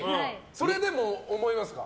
それでも思いますか？